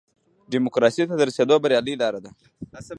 ډیموکراسۍ ته د رسېدو بریالۍ لاره ده.